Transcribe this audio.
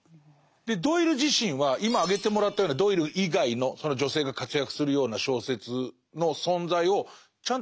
でドイル自身は今挙げてもらったようなドイル以外のその女性が活躍するような小説の存在をちゃんと知っているのかしら？